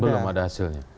belum ada hasilnya